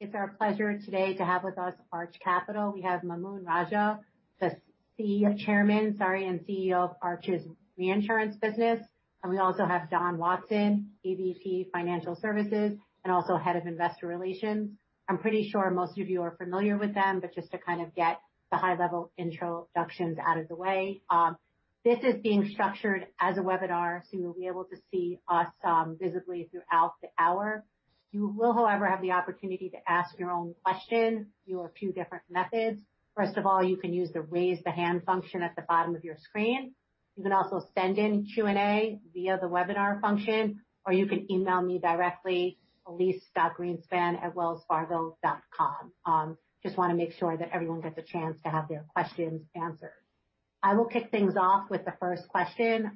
It's our pleasure today to have with us Arch Capital. We have Maamoun Rajeh, the Chairman, sorry, and CEO of Arch's reinsurance business. And we also have Don Watson, EVP Financial Services, and also Head of Investor Relations. I'm pretty sure most of you are familiar with them, but just to kind of get the high-level introductions out of the way, this is being structured as a webinar, so you'll be able to see us visibly throughout the hour. You will, however, have the opportunity to ask your own question through a few different methods. First of all, you can use the raise the hand function at the bottom of your screen. You can also send in Q&A via the webinar function, or you can email me directly at elyse.greenspan@wellsfargo.com. Just want to make sure that everyone gets a chance to have their questions answered. I will kick things off with the first question.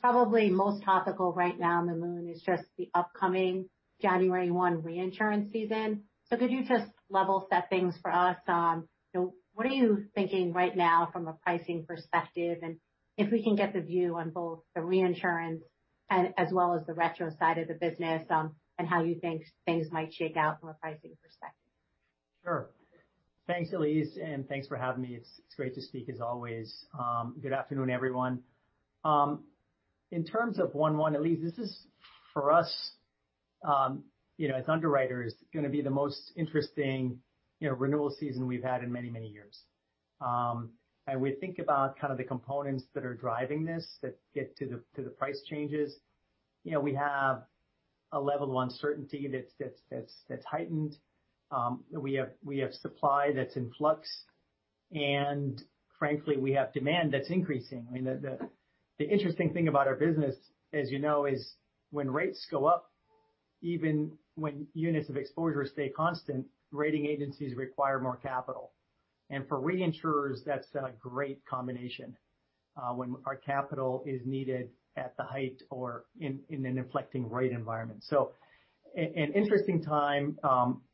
Probably most topical right now, Maamoun, is just the upcoming January 1 reinsurance season. So could you just level set things for us? What are you thinking right now from a pricing perspective? And if we can get the view on both the reinsurance as well as the retro side of the business and how you think things might shake out from a pricing perspective? Sure. Thanks, Elyse, and thanks for having me. It's great to speak as always. Good afternoon, everyone. In terms of 01/01, Elyse, this is for us, as underwriters, going to be the most interesting renewal season we've had in many, many years, and we think about kind of the components that are driving this that get to the price changes. We have a level of uncertainty that's heightened. We have supply that's in flux, and frankly, we have demand that's increasing. The interesting thing about our business, as you know, is when rates go up, even when units of exposure stay constant, rating agencies require more capital, and for reinsurers, that's a great combination when our capital is needed at the height or in an inflecting rate environment. It's an interesting time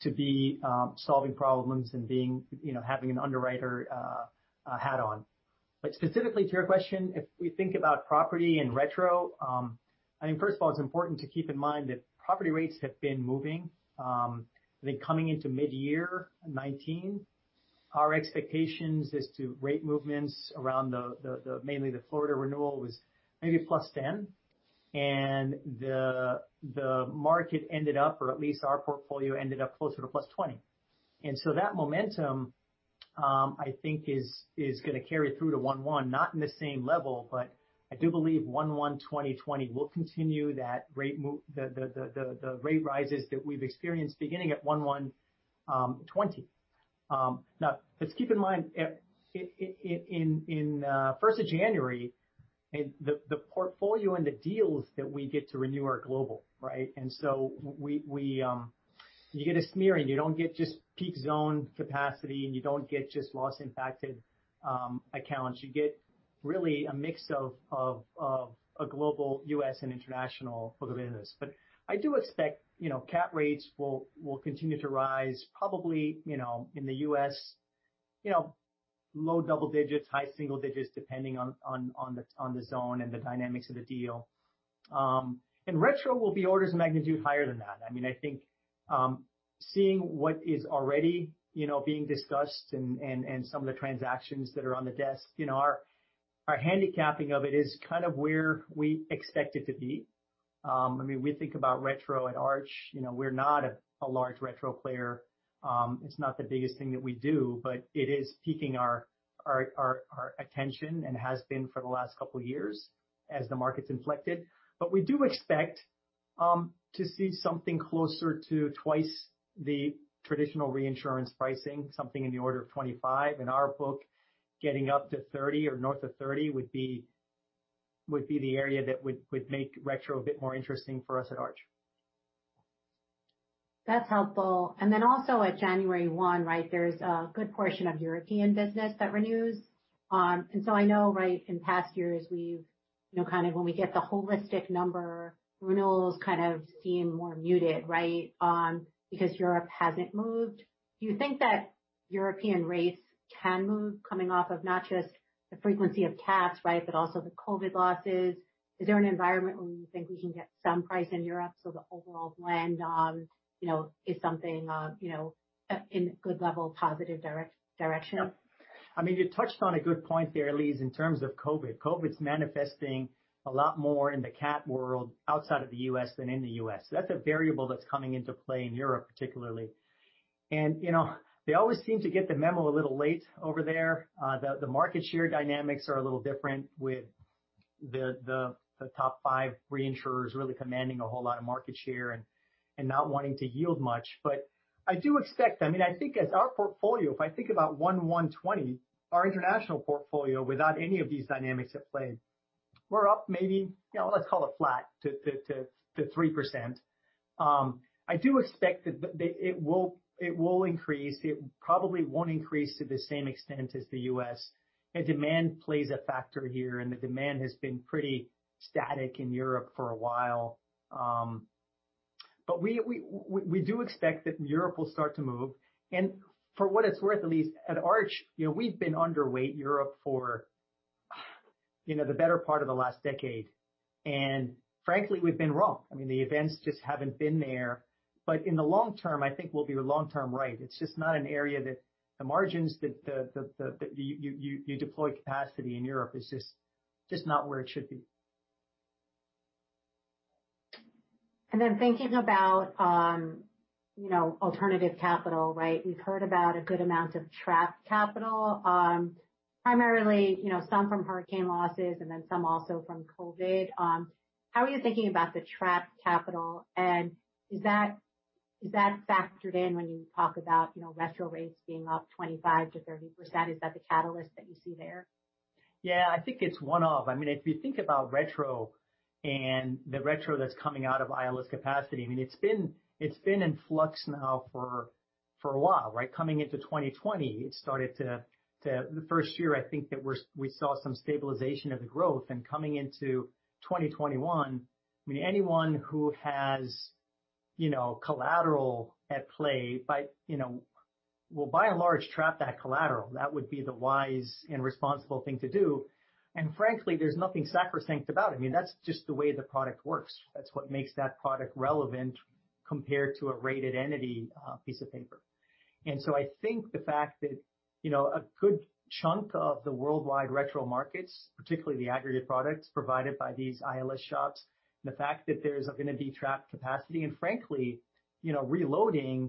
to be solving problems and having an underwriter hat on. But specifically to your question, if we think about property and retro, I mean, first of all, it's important to keep in mind that property rates have been moving. I think coming into mid-year 2019, our expectations as to rate movements around mainly the Florida renewal was maybe plus 10. And the market ended up, or at least our portfolio ended up, closer to plus 20. And so that momentum, I think, is going to carry through to 01/001, not in the same level, but I do believe 01/01/2020 will continue the rate rises that we've experienced beginning at 01/01/2020. Now, let's keep in mind, in the first of January, the portfolio and the deals that we get to renew are global, right? And so you get a smearing. You don't get just peak zone capacity, and you don't get just loss-impacted accounts. You get really a mix of a global, U.S. and international book of business, but I do expect cap rates will continue to rise, probably in the U.S., low double digits, high single digits, depending on the zone and the dynamics of the deal, and retro will be orders of magnitude higher than that. I mean, I think seeing what is already being discussed and some of the transactions that are on the desk, our handicapping of it is kind of where we expect it to be. I mean, we think about retro at Arch. We're not a large retro player. It's not the biggest thing that we do, but it is piquing our attention and has been for the last couple of years as the market's inflected, but we do expect to see something closer to twice the traditional reinsurance pricing, something in the order of 25. In our book, getting up to 30 or north of 30 would be the area that would make retro a bit more interesting for us at Arch. That's helpful, and then also at January 1, right? There's a good portion of European business that renews, and so I know in past years, kind of when we get the holistic number, renewals kind of seem more muted, right, because Europe hasn't moved. Do you think that European rates can move coming off of not just the frequency of caps, right, but also the COVID losses? Is there an environment where you think we can get some price in Europe so the overall blend is something in a good level, positive direction? I mean, you touched on a good point there, Elyse, in terms of COVID. COVID's manifesting a lot more in the CAT world outside of the U.S. than in the U.S. That's a variable that's coming into play in Europe particularly. And they always seem to get the memo a little late over there. The market share dynamics are a little different with the top five reinsurers really commanding a whole lot of market share and not wanting to yield much. But I do expect, I mean, I think as our portfolio, if I think about 01/01/2020, our international portfolio without any of these dynamics at play, we're up maybe, let's call it flat to 3%. I do expect that it will increase. It probably won't increase to the same extent as the U.S. Demand plays a factor here, and the demand has been pretty static in Europe for a while. But we do expect that Europe will start to move. For what it's worth, Elyse, at Arch, we've been underweight Europe for the better part of the last decade. And frankly, we've been wrong. I mean, the events just haven't been there. But in the long term, I think we'll be long-term right. It's just not an area that the margins that you deploy capacity in Europe is just not where it should be. And then thinking about alternative capital, right, we've heard about a good amount of trapped capital, primarily some from hurricane losses and then some also from COVID. How are you thinking about the trapped capital? And is that factored in when you talk about retro rates being up 25% to 30%? Is that the catalyst that you see there? Yeah, I think it's one of. I mean, if you think about retro and the retro that's coming out of ILS capacity, I mean, it's been in flux now for a while, right? Coming into 2020, it started to the first year, I think that we saw some stabilization of the growth. And coming into 2021, I mean, anyone who has collateral at play will, by and large, trap that collateral. That would be the wise and responsible thing to do. And frankly, there's nothing sacrosanct about it. I mean, that's just the way the product works. That's what makes that product relevant compared to a rated entity piece of paper. And so I think the fact that a good chunk of the worldwide retro markets, particularly the aggregate products provided by these ILS shops, the fact that there's going to be trapped capacity, and frankly, reloading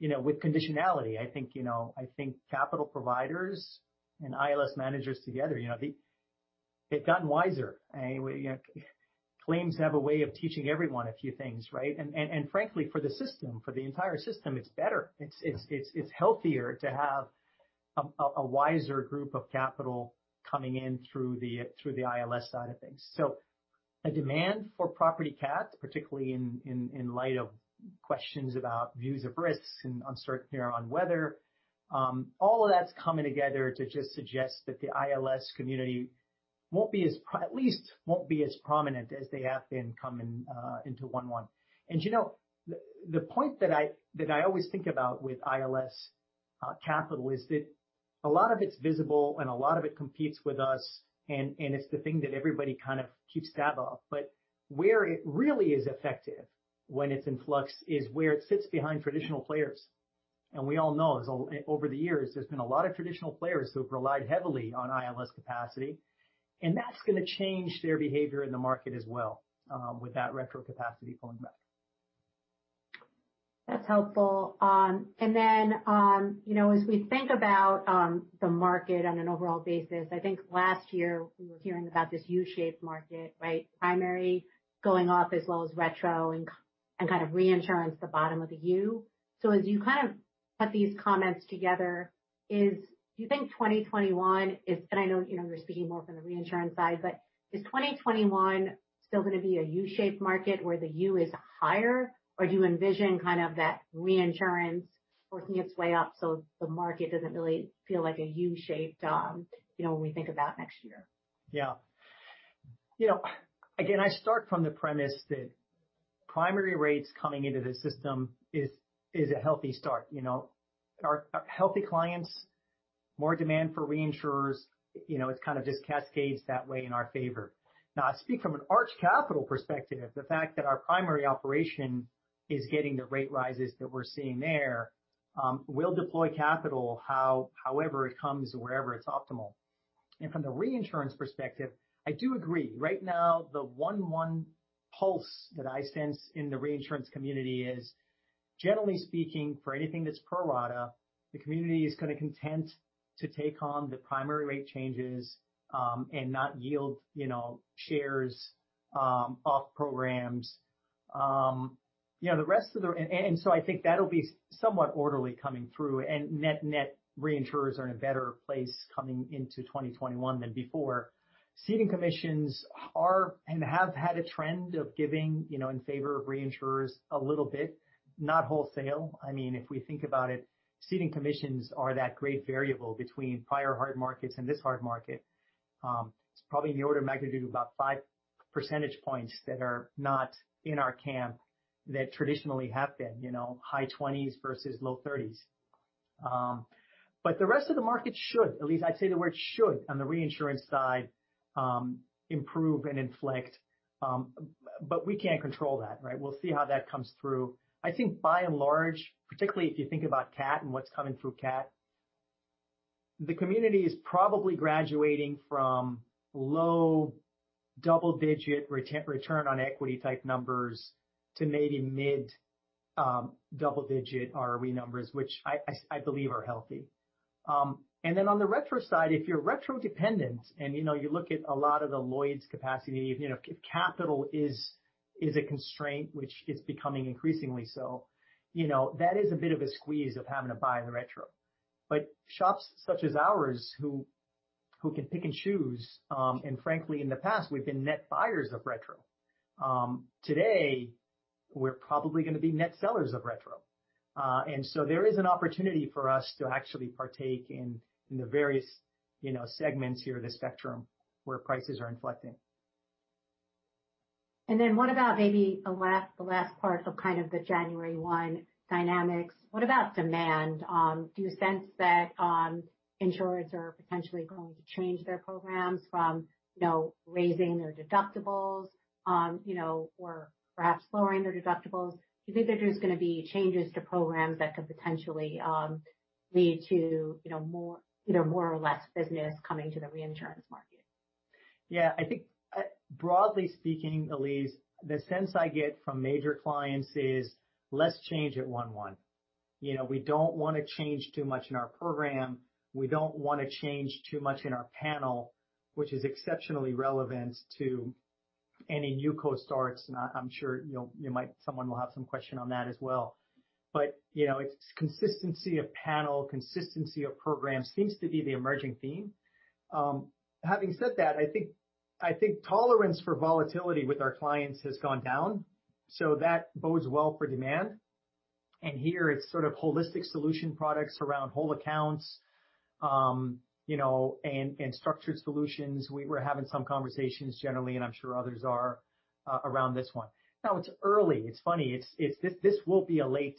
with conditionality, I think capital providers and ILS managers together, they've gotten wiser. Claims have a way of teaching everyone a few things, right? And frankly, for the system, for the entire system, it's better. It's healthier to have a wiser group of capital coming in through the ILS side of things. So the demand for property cap, particularly in light of questions about views of risks and uncertainty around weather, all of that's coming together to just suggest that the ILS community at least won't be as prominent as they have been coming into 01/01. And the point that I always think about with ILS capital is that a lot of it's visible and a lot of it competes with us, and it's the thing that everybody kind of keeps tabs on. But where it really is effective when it's in flux is where it sits behind traditional players. And we all know over the years, there's been a lot of traditional players who have relied heavily on ILS capacity. And that's going to change their behavior in the market as well with that retro capacity pulling back. That's helpful. And then as we think about the market on an overall basis, I think last year we were hearing about this U-shaped market, right? Primary going up as well as retro and kind of reinsurance the bottom of the U. So as you kind of put these comments together, do you think 2021 is, and I know you're speaking more from the reinsurance side, but is 2021 still going to be a U-shaped market where the U is higher, or do you envision kind of that reinsurance working its way up so the market doesn't really feel like a U-shaped when we think about next year? Yeah. Again, I start from the premise that primary rates coming into the system is a healthy start. Our healthy clients, more demand for reinsurers, it kind of just cascades that way in our favor. Now, I speak from an Arch Capital perspective. The fact that our primary operation is getting the rate rises that we're seeing there will deploy capital however it comes or wherever it's optimal. From the reinsurance perspective, I do agree. Right now, the 01/01 pulse that I sense in the reinsurance community is, generally speaking, for anything that's pro rata, the community is going to be content to take on the primary rate changes and not yield shares off programs. The rest of the, and so I think that'll be somewhat orderly coming through. Net reinsurers are in a better place coming into 2021 than before. Ceding commissions have had a trend of giving in favor of reinsurers a little bit, not wholesale. I mean, if we think about it, ceding commissions are that great variable between prior hard markets and this hard market. It's probably in the order of magnitude about five percentage points that are not in our camp that traditionally have been, high 20s versus low 30s. But the rest of the market should, at least I'd say the word should on the reinsurance side, improve and take effect. But we can't control that, right? We'll see how that comes through. I think by and large, particularly if you think about CAT and what's coming through CAT, the community is probably graduating from low double-digit return on equity type numbers to maybe mid double-digit ROE numbers, which I believe are healthy. And then on the retro side, if you're retro-dependent and you look at a lot of the Lloyd's capacity, if capital is a constraint, which is becoming increasingly so, that is a bit of a squeeze of having to buy the retro. But shops such as ours who can pick and choose, and frankly, in the past, we've been net buyers of retro. Today, we're probably going to be net sellers of retro. And so there is an opportunity for us to actually partake in the various segments here of the spectrum where prices are inflecting. And then what about maybe the last part of kind of the January 1 dynamics? What about demand? Do you sense that insurers are potentially going to change their programs from raising their deductibles or perhaps lowering their deductibles? Do you think there's going to be changes to programs that could potentially lead to either more or less business coming to the reinsurance market? Yeah. I think broadly speaking, Elyse, the sense I get from major clients is less change at 01/01. We don't want to change too much in our program. We don't want to change too much in our panel, which is exceptionally relevant to any newco starts. And I'm sure someone will have some question on that as well. But it's consistency of panel, consistency of program seems to be the emerging theme. Having said that, I think tolerance for volatility with our clients has gone down. So that bodes well for demand. And here, it's sort of holistic solution products around whole accounts and structured solutions. We were having some conversations generally, and I'm sure others are around this one. Now, it's early. It's funny. This will be a late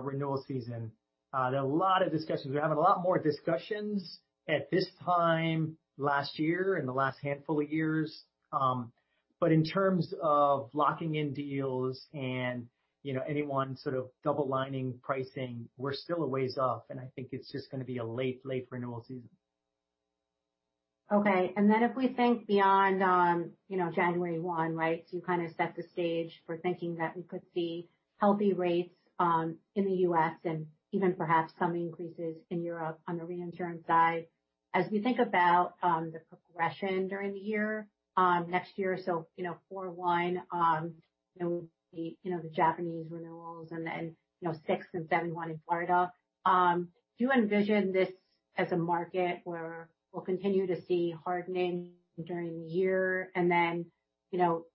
renewal season. There are a lot of discussions. We're having a lot more discussions at this time last year and the last handful of years. But in terms of locking in deals and anyone sort of double-lining pricing, we're still a ways off. And I think it's just going to be a late, late renewal season. Okay. And then if we think beyond January 1, right, to kind of set the stage for thinking that we could see healthy rates in the U.S. and even perhaps some increases in Europe on the reinsurance side, as we think about the progression during the year, next year, so 04/01, the Japanese renewals and 6th and 07/01 in Florida, do you envision this as a market where we'll continue to see hardening during the year and then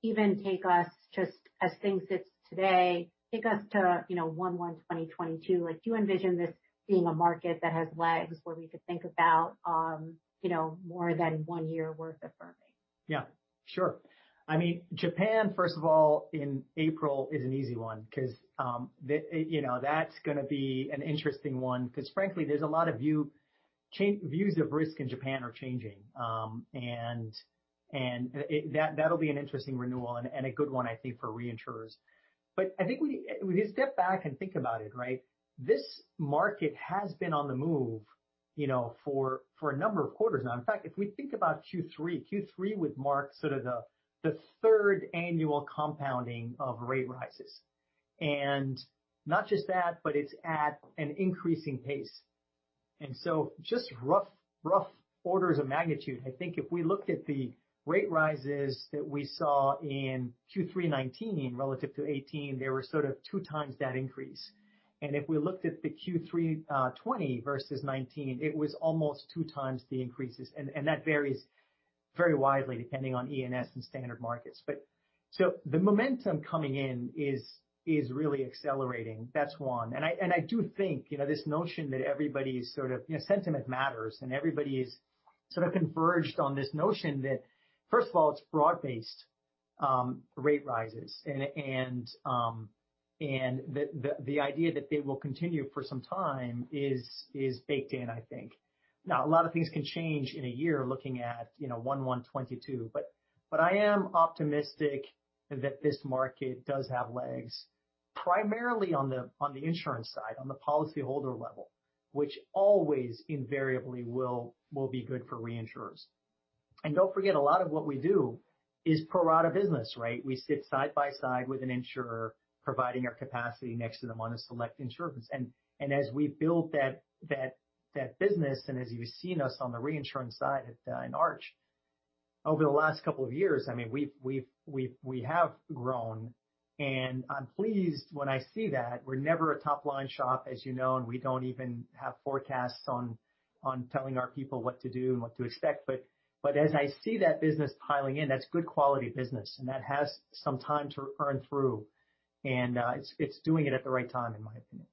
even take us just as things sit today, take us to 01/01/2022? Do you envision this being a market that has legs where we could think about more than one year worth of firming? Yeah. Sure. I mean, Japan, first of all, in April is an easy one because that's going to be an interesting one because frankly, there's a lot of views of risk in Japan are changing, and that'll be an interesting renewal and a good one, I think, for reinsurers, but I think if you step back and think about it, right, this market has been on the move for a number of quarters now. In fact, if we think about Q3, Q3 would mark sort of the third annual compounding of rate rises, and not just that, but it's at an increasing pace, and so just rough orders of magnitude, I think if we looked at the rate rises that we saw in Q3 2019 relative to 2018, they were sort of two times that increase. And if we looked at the Q3 2020 versus 2019, it was almost two times the increases. And that varies very widely depending on E&S and standard markets. But so the momentum coming in is really accelerating. That's one. And I do think this notion that everybody is sort of sentiment matters and everybody is sort of converged on this notion that, first of all, it's broad-based rate rises. And the idea that they will continue for some time is baked in, I think. Now, a lot of things can change in a year looking at 01/01/2022. But I am optimistic that this market does have legs primarily on the insurance side, on the policyholder level, which always invariably will be good for reinsurers. And don't forget, a lot of what we do is pro rata business, right? We sit side by side with an insurer providing our capacity next to them on a select insurance. And as we build that business, and as you've seen us on the reinsurance side at Arch over the last couple of years, I mean, we have grown. And I'm pleased when I see that. We're never a top-line shop, as you know, and we don't even have forecasts on telling our people what to do and what to expect. But as I see that business piling in, that's good quality business. And that has some time to earn through. And it's doing it at the right time, in my opinion.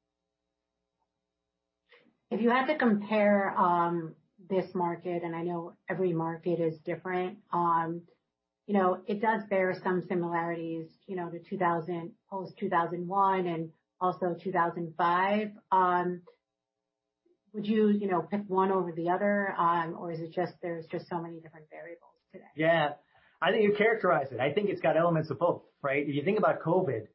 If you had to compare this market, and I know every market is different, it does bear some similarities to post-2001 and also 2005. Would you pick one over the other, or is it just there's just so many different variables today? Yeah. I think you characterize it. I think it's got elements of both, right? If you think about COVID,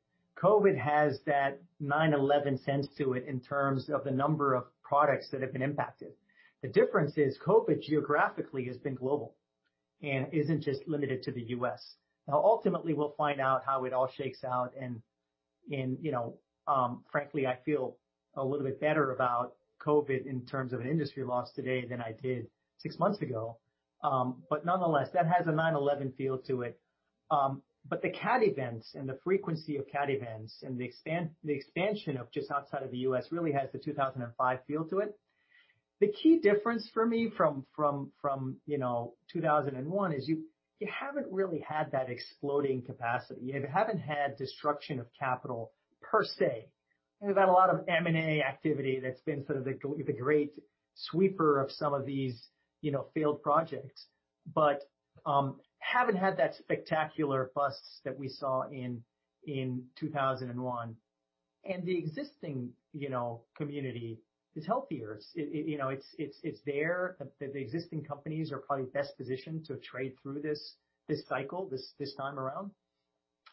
COVID has that 09/11 sense to it in terms of the number of products that have been impacted. The difference is COVID geographically has been global and isn't just limited to the U.S. Now, ultimately, we'll find out how it all shakes out. And frankly, I feel a little bit better about COVID in terms of an industry loss today than I did six months ago. But nonetheless, that has a 9/11 feel to it. But the CAT events and the frequency of CAT events and the expansion of just outside of the U.S. really has the 2005 feel to it. The key difference for me from 2001 is you haven't really had that exploding capacity. You haven't had destruction of capital per se. We've had a lot of M&A activity that's been sort of the great sweeper of some of these failed projects, but haven't had that spectacular busts that we saw in 2001. And the existing community is healthier. It's there. The existing companies are probably best positioned to trade through this cycle this time around.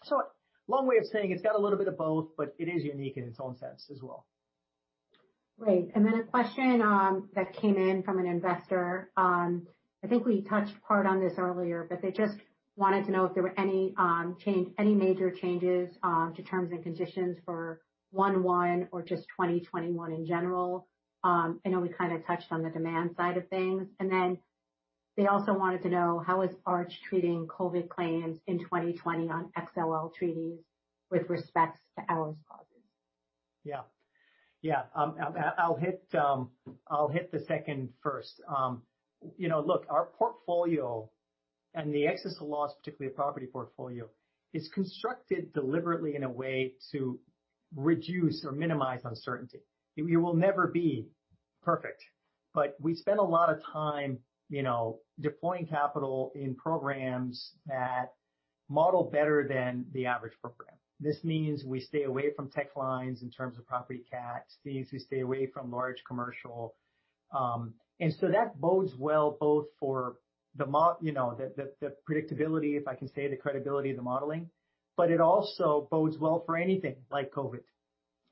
So long way of saying it's got a little bit of both, but it is unique in its own sense as well. Right. And then a question that came in from an investor. I think we touched part on this earlier, but they just wanted to know if there were any major changes to terms and conditions for 01/01 or just 2021 in general. I know we kind of touched on the demand side of things. And then they also wanted to know how is Arch treating COVID claims in 2020 on XLL treaties with respect to ALIS? Yeah. Yeah. I'll hit the second first. Look, our portfolio and the excess of loss, particularly a property portfolio, is constructed deliberately in a way to reduce or minimize uncertainty. We will never be perfect. But we spend a lot of time deploying capital in programs that model better than the average program. This means we stay away from tech lines in terms of Property Cats, means we stay away from large commercial. And so that bodes well both for the predictability, if I can say, the credibility of the modeling, but it also bodes well for anything like COVID.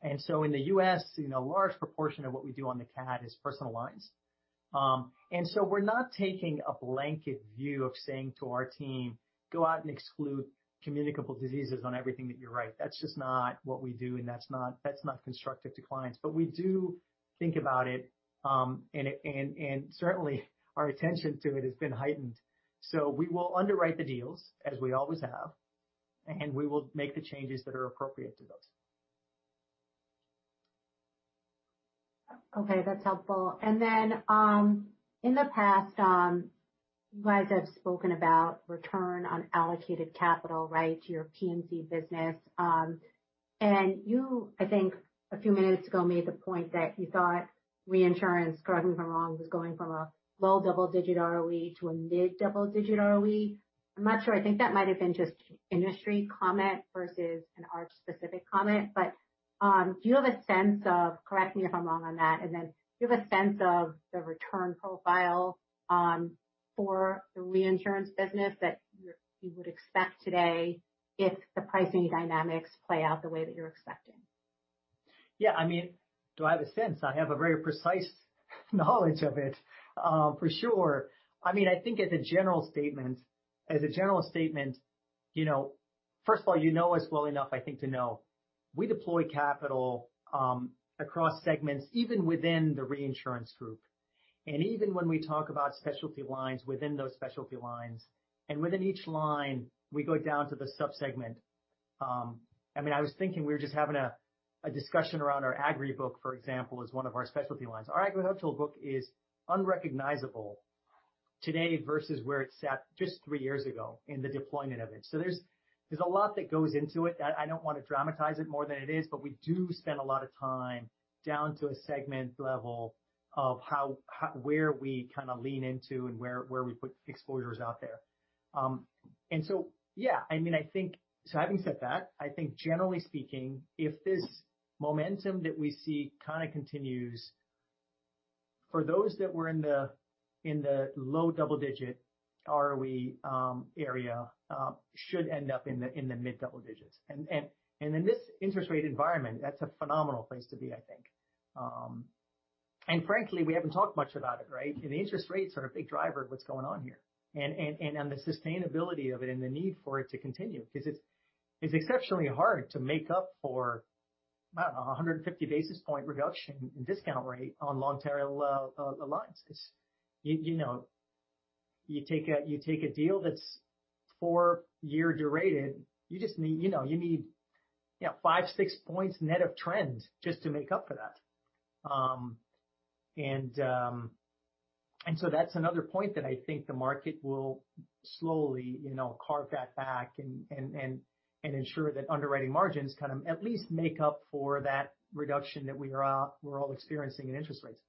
And so in the U.S., a large proportion of what we do on the CAT is personal lines. And so we're not taking a blanket view of saying to our team, "Go out and exclude communicable diseases on everything that you write." That's just not what we do, and that's not constructive to clients. But we do think about it. And certainly, our attention to it has been heightened. So we will underwrite the deals, as we always have, and we will make the changes that are appropriate to those. Okay. That's helpful. And then in the past, you guys have spoken about return on allocated capital, right, to your P&C business. And you, I think a few minutes ago, made the point that you thought reinsurance, correct me if I'm wrong, was going from a low double-digit ROE to a mid double-digit ROE. I'm not sure. I think that might have been just industry comment versus an Arch-specific comment. But do you have a sense of, correct me if I'm wrong on that, and then do you have a sense of the return profile for the reinsurance business that you would expect today if the pricing dynamics play out the way that you're expecting? Yeah. I mean, do I have a sense? I have a very precise knowledge of it, for sure. I mean, I think as a general statement, first of all, you know us well enough, I think, to know we deploy capital across segments, even within the reinsurance group. And even when we talk about specialty lines within those specialty lines, and within each line, we go down to the subsegment. I mean, I was thinking we were just having a discussion around our Agribook, for example, as one of our specialty lines. Our Agricultural Book is unrecognizable today versus where it sat just three years ago in the deployment of it. So there's a lot that goes into it. I don't want to dramatize it more than it is, but we do spend a lot of time down to a segment level of where we kind of lean into and where we put exposures out there. So, yeah, I mean, I think so. Having said that, I think generally speaking, if this momentum that we see kind of continues, for those that were in the low double-digit ROE area should end up in the mid double digits. In this interest rate environment, that's a phenomenal place to be, I think. Frankly, we haven't talked much about it, right? The interest rates are a big driver of what's going on here and the sustainability of it and the need for it to continue because it's exceptionally hard to make up for, I don't know, 150 basis points reduction in discount rate on long-term lines. You take a deal that's four-year duration. You need five, six points net of trend just to make up for that. And so that's another point that I think the market will slowly carve that back and ensure that underwriting margins kind of at least make up for that reduction that we're all experiencing in interest rates.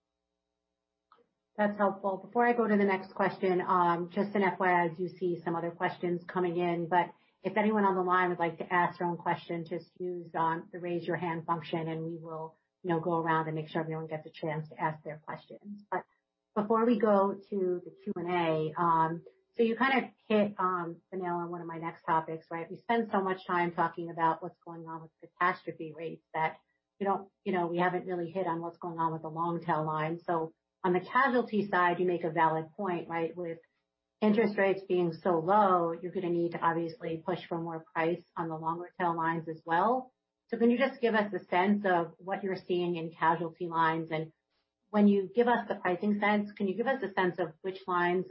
That's helpful. Before I go to the next question, just an FYI, I do see some other questions coming in. But if anyone on the line would like to ask their own question, just use the raise your hand function, and we will go around and make sure everyone gets a chance to ask their questions. But before we go to the Q&A, so you kind of hit the nail on one of my next topics, right? We spend so much time talking about what's going on with catastrophe rates that we haven't really hit on what's going on with the long-tail line. So on the casualty side, you make a valid point, right? With interest rates being so low, you're going to need to obviously push for more price on the longer-tail lines as well. So can you just give us a sense of what you're seeing in casualty lines? And when you give us the pricing sense, can you give us a sense of which lines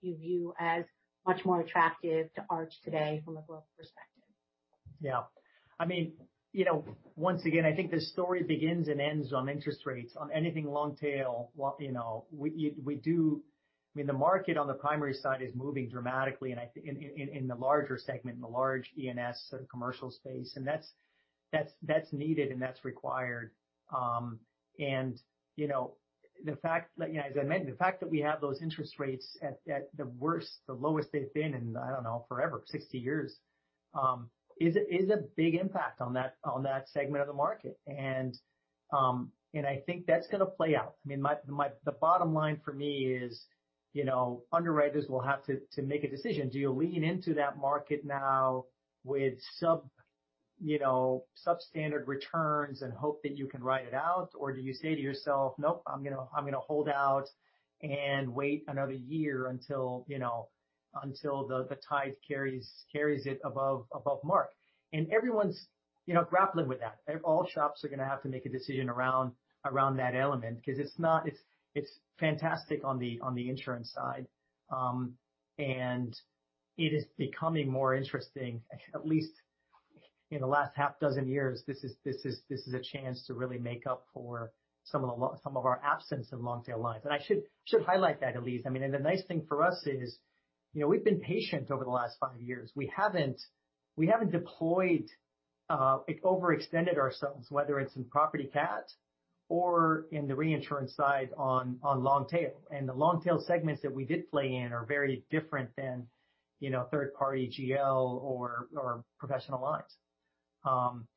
you view as much more attractive to Arch today from a growth perspective? Yeah. I mean, once again, I think the story begins and ends on interest rates. On anything long-tail, we do, I mean, the market on the primary side is moving dramatically in the larger segment, the large E&S sort of commercial space. And that's needed and that's required. And the fact, as I mentioned, the fact that we have those interest rates at the worst, the lowest they've been in, I don't know, forever, 60 years, is a big impact on that segment of the market. And I think that's going to play out. I mean, the bottom line for me is underwriters will have to make a decision. Do you lean into that market now with substandard returns and hope that you can ride it out, or do you say to yourself, "Nope, I'm going to hold out and wait another year until the tide carries it above mark"? And everyone's grappling with that. All shops are going to have to make a decision around that element because it's fantastic on the insurance side. And it is becoming more interesting, at least in the last half dozen years, this is a chance to really make up for some of our absence of long-tail lines. And I should highlight that, Elyse. I mean, and the nice thing for us is we've been patient over the last five years. We haven't deployed, overextended ourselves, whether it's in Property CAT or in the reinsurance side on long-tail. And the long-tail segments that we did play in are very different than third-party GL or professional lines.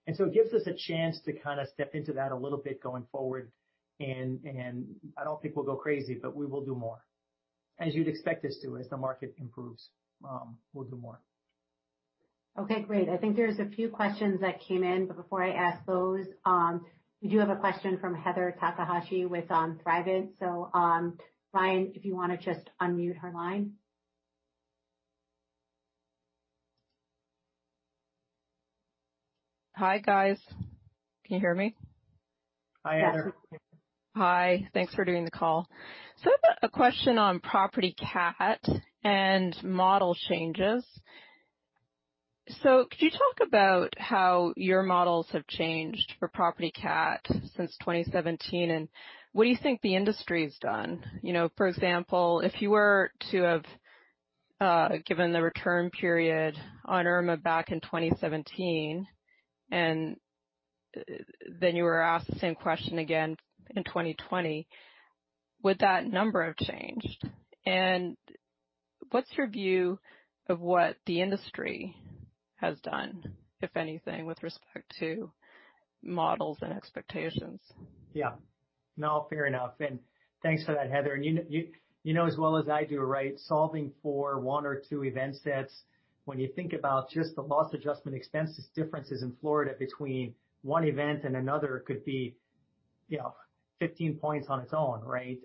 And so it gives us a chance to kind of step into that a little bit going forward. And I don't think we'll go crazy, but we will do more. As you'd expect us to, as the market improves, we'll do more. Okay. Great. I think there's a few questions that came in, but before I ask those, we do have a question from Heather Takahashi with Thrivent. So, Ryan, if you want to just unmute her line. Hi, guys. Can you hear me? Hi, Heather. Hi. Thanks for doing the call. So I have a question on Property CAT and model changes. So could you talk about how your models have changed for Property CAT since 2017, and what do you think the industry has done? For example, if you were to have given the return period on Irma back in 2017, and then you were asked the same question again in 2020, would that number have changed? And what's your view of what the industry has done, if anything, with respect to models and expectations? Yeah. No, fair enough. And thanks for that, Heather. And you know as well as I do, right, solving for one or two event sets, when you think about just the loss adjustment expenses differences in Florida between one event and another could be 15 points on its own, right?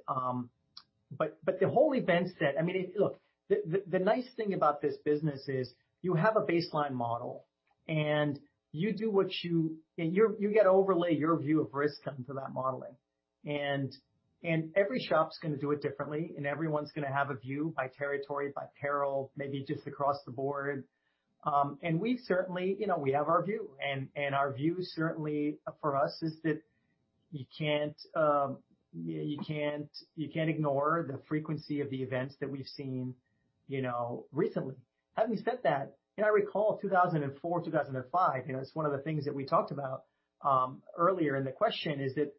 But the whole event set, I mean, look, the nice thing about this business is you have a baseline model, and you do what you get to overlay your view of risk onto that modeling. And every shop's going to do it differently, and everyone's going to have a view by territory, by peril, maybe just across the board. And we certainly have our view. And our view certainly for us is that you can't ignore the frequency of the events that we've seen recently. Having said that, I recall 2004, 2005. It's one of the things that we talked about earlier in the question, is that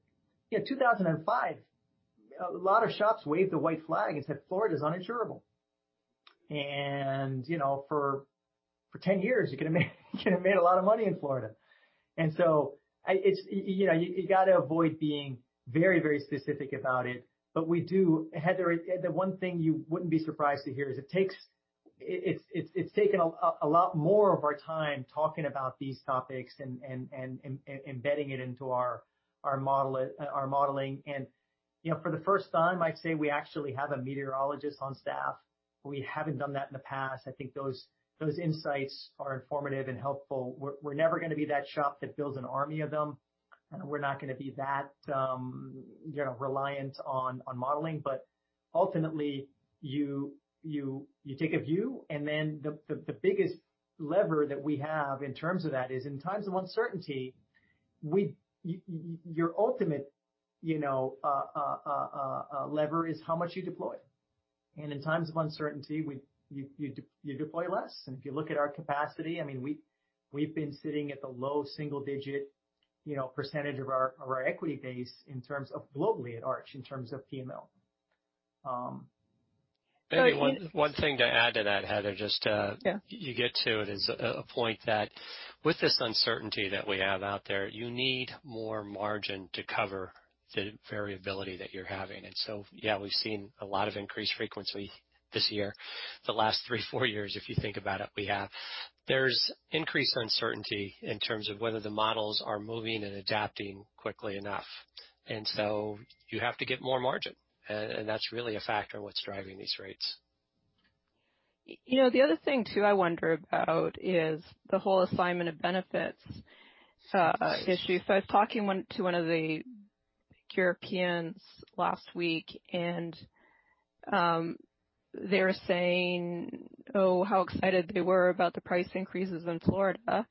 2005, a lot of shops waved the white flag and said, "Florida's uninsurable." And for 10 years, you could have made a lot of money in Florida. And so you got to avoid being very, very specific about it. But we do, Heather. The one thing you wouldn't be surprised to hear is it's taken a lot more of our time talking about these topics and embedding it into our modeling. And for the first time, I'd say we actually have a meteorologist on staff. We haven't done that in the past. I think those insights are informative and helpful. We're never going to be that shop that builds an army of them. We're not going to be that reliant on modeling. But ultimately, you take a view, and then the biggest lever that we have in terms of that is in times of uncertainty, your ultimate lever is how much you deploy. And in times of uncertainty, you deploy less. And if you look at our capacity, I mean, we've been sitting at the low single-digit percentage of our equity base in terms of globally at Arch in terms of P&L. Maybe one thing to add to that, Heather, just you get to it is a point that with this uncertainty that we have out there, you need more margin to cover the variability that you're having. And so, yeah, we've seen a lot of increased frequency this year. The last three, four years, if you think about it, we have. There's increased uncertainty in terms of whether the models are moving and adapting quickly enough. And so you have to get more margin. And that's really a factor in what's driving these rates. The other thing too I wonder about is the whole assignment of benefits issue. So I was talking to one of the Europeans last week, and they were saying, "Oh, how excited they were about the price increases in Florida."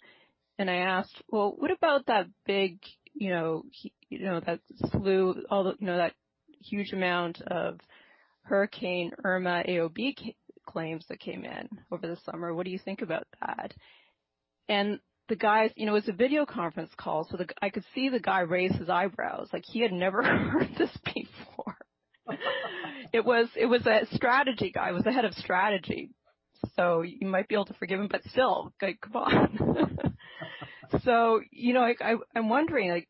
And I asked, "Well, what about that big slew, that huge amount of Hurricane Irma AOB claims that came in over the summer? What do you think about that?" And the guys, it was a video conference call, so I could see the guy raise his eyebrows. He had never heard this before. It was a strategy guy. It was the head of strategy. So you might be able to forgive him, but still, come on. So I'm wondering,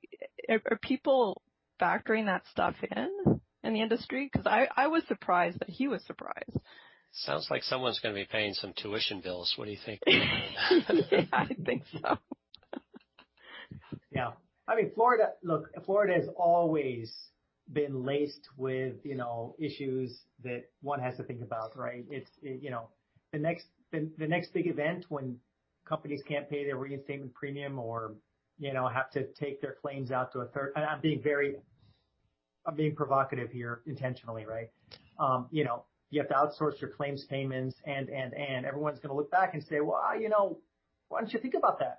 are people factoring that stuff in in the industry? Because I was surprised that he was surprised. Sounds like someone's going to be paying some tuition bills. What do you think? Yeah, I think so. Yeah. I mean, Florida, look, Florida has always been laced with issues that one has to think about, right? The next big event when companies can't pay their reinstatement premium or have to take their claims out to a third, and I'm being provocative here intentionally, right? You have to outsource your claims payments and everyone's going to look back and say, "Well, why don't you think about that?"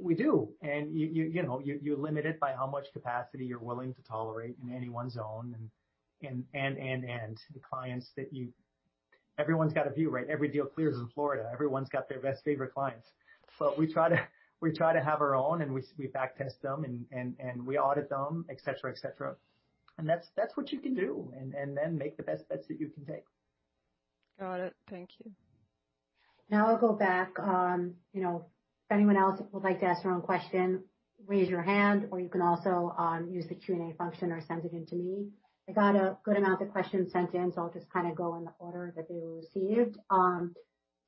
We do. And you limit it by how much capacity you're willing to tolerate in anyone's own and the clients that you everyone's got a view, right? Every deal clears in Florida. Everyone's got their best favorite clients. But we try to have our own, and we backtest them, and we audit them, etc., etc. And that's what you can do and then make the best bets that you can take. Got it. Thank you. Now I'll go back. If anyone else would like to ask their own question, raise your hand, or you can also use the Q&A function or send it in to me. I got a good amount of questions sent in, so I'll just kind of go in the order that they were received.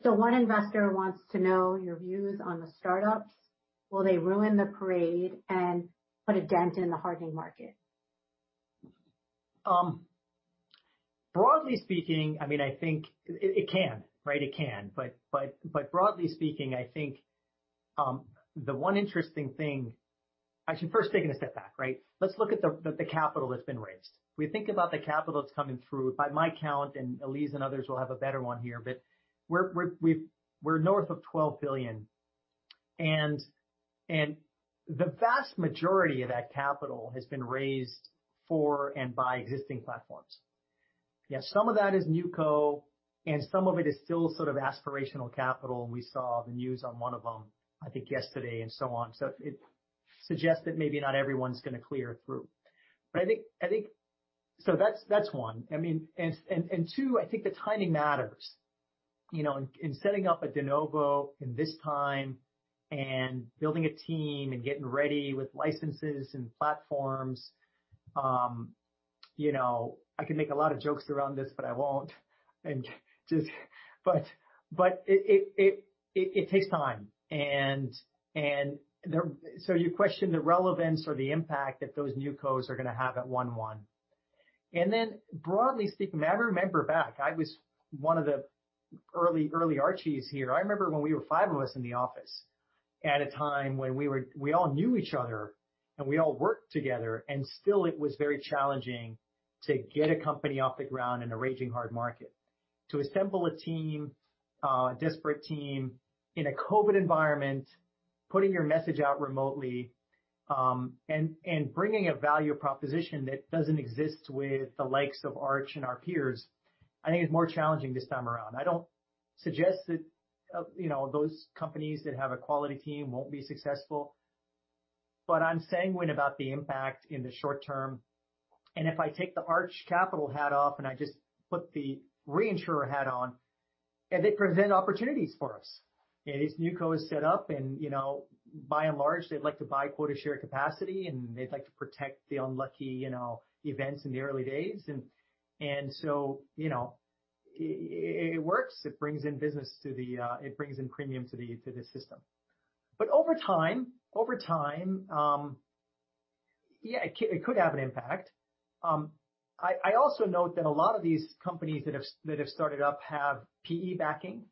So one investor wants to know your views on the startups. Will they ruin the parade and put a dent in the hardening market? Broadly speaking, I mean, I think it can, right? It can. But broadly speaking, I think the one interesting thing I should first take it a step back, right? Let's look at the capital that's been raised. We think about the capital that's coming through. By my count, and Elyse and others will have a better one here, but we're north of $12 billion. And the vast majority of that capital has been raised for and by existing platforms. Yeah, some of that is new co, and some of it is still sort of aspirational capital. And we saw the news on one of them, I think, yesterday and so on. So it suggests that maybe not everyone's going to clear through. But I think so that's one. I mean, and two, I think the timing matters. In setting up a de novo in this time and building a team and getting ready with licenses and platforms, I can make a lot of jokes around this, but I won't, but it takes time, and so you question the relevance or the impact that those new co's are going to have at 01/01, and then broadly speaking, I remember back, I was one of the early Archies here, I remember when we were five of us in the office at a time when we all knew each other and we all worked together, and still, it was very challenging to get a company off the ground in a raging hard market, to assemble a team, a disparate team in a COVID environment, putting your message out remotely and bringing a value proposition that doesn't exist with the likes of Arch and our peers. I think it's more challenging this time around. I don't suggest that those companies that have a quality team won't be successful, but I'm saying what about the impact in the short term, and if I take the Arch Capital hat off and I just put the reinsurer hat on, and they present opportunities for us, and these new cos set up, and by and large, they'd like to buy quota share capacity, and they'd like to protect the unlucky events in the early days, and so it works. It brings in business to the, it brings in premium to the system, but over time, yeah, it could have an impact. I also note that a lot of these companies that have started up have PE backing,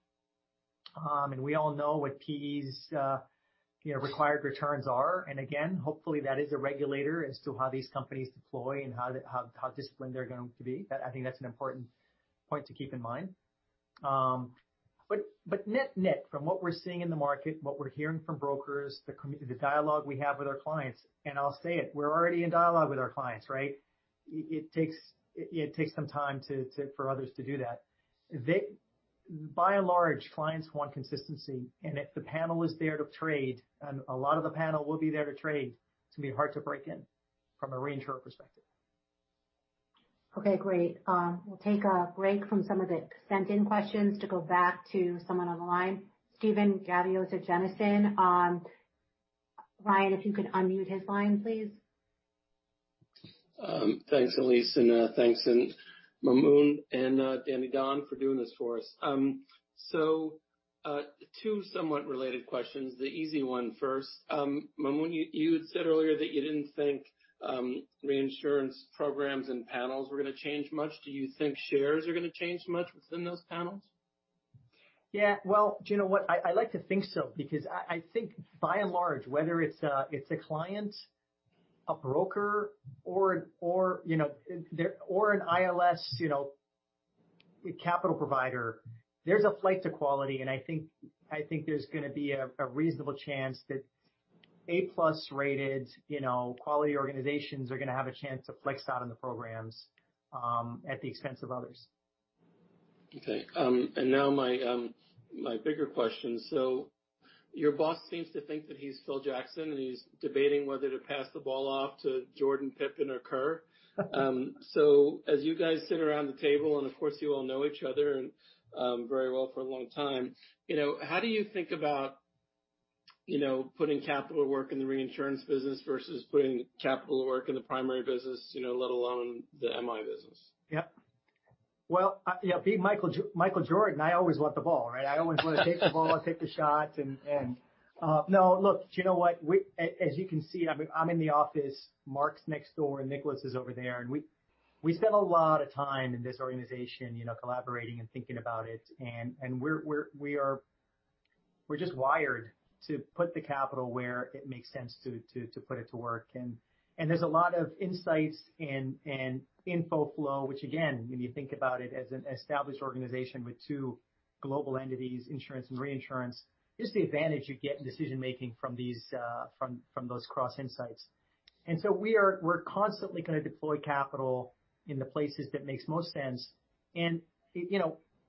and we all know what PE's required returns are. And again, hopefully, that is a regulator as to how these companies deploy and how disciplined they're going to be. I think that's an important point to keep in mind. But net net, from what we're seeing in the market, what we're hearing from brokers, the dialogue we have with our clients, and I'll say it, we're already in dialogue with our clients, right? It takes some time for others to do that. By and large, clients want consistency. And if the panel is there to trade, and a lot of the panel will be there to trade, it's going to be hard to break in from a reinsurer perspective. Okay. Great. We'll take a break from some of the sent-in questions to go back to someone on the line. Steven Gavios at Jennison. Ryan, if you could unmute his line, please. Thanks, Elyse, and thanks to Maamoun and Don for doing this for us. So two somewhat related questions. The easy one first. Maamoun, you had said earlier that you didn't think reinsurance programs and panels were going to change much. Do you think shares are going to change much within those panels? Yeah. Well, do you know what? I like to think so because I think by and large, whether it's a client, a broker, or an ILS capital provider, there's a flight to quality. And I think there's going to be a reasonable chance that A-plus rated quality organizations are going to have a chance to flex out on the programs at the expense of others. Okay. And now my bigger question. So your boss seems to think that he's Phil Jackson, and he's debating whether to pass the ball off to Jordan, Pippen, or Kerr. So as you guys sit around the table, and of course, you all know each other very well for a long time, how do you think about putting capital to work in the reinsurance business versus putting capital to work in the primary business, let alone the MI business? Yep. Well, yeah, Michael Jordan, I always want the ball, right? I always want to take the ball, take the shot. And no, look, do you know what? As you can see, I'm in the office, Mark's next door, and Nicholas is over there. And we spend a lot of time in this organization collaborating and thinking about it. And we're just wired to put the capital where it makes sense to put it to work. And there's a lot of insights and info flow, which, again, when you think about it as an established organization with two global entities, insurance and reinsurance, just the advantage you get in decision-making from those cross insights. And so we're constantly going to deploy capital in the places that make most sense. And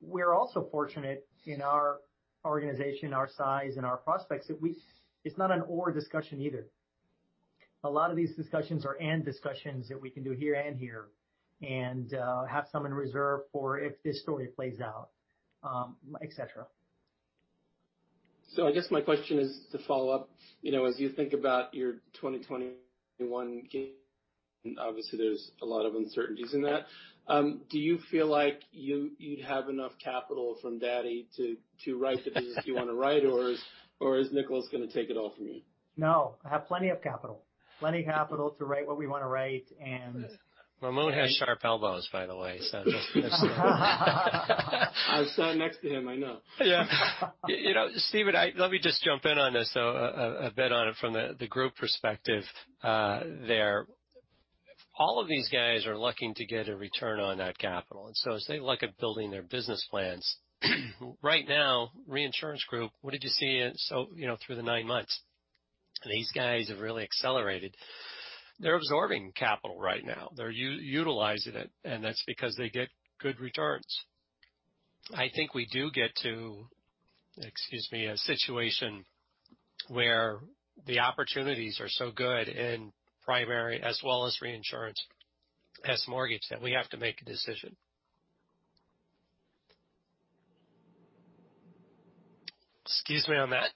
we're also fortunate in our organization, our size, and our prospects that it's not an or discussion either. A lot of these discussions are end discussions that we can do here and here and have some in reserve for if this story plays out, etc. So I guess my question is to follow up. As you think about your 2021 game, obviously, there's a lot of uncertainties in that. Do you feel like you'd have enough capital from Daddy to write the business you want to write, or is Nicholas going to take it all from you? No. I have plenty of capital. Plenty of capital to write what we want to write. And. Maamoun has sharp elbows, by the way, so just. I was standing next to him. I know. Yeah. Steven, let me just jump in on this a bit on it from the group perspective there. All of these guys are looking to get a return on that capital. And so as they look at building their business plans, right now, reinsurance group, what did you see through the nine months? These guys have really accelerated. They're absorbing capital right now. They're utilizing it, and that's because they get good returns. I think we do get to, excuse me, a situation where the opportunities are so good in primary as well as reinsurance as mortgage that we have to make a decision. Excuse me on that.